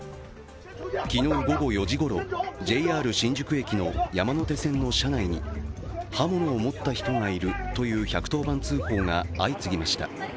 昨日午後４時ごろ、ＪＲ新宿駅の山手線の車内に刃物を持った人がいるという１１０番通報が相次ぎました。